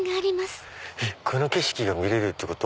この景色が見れるってこと？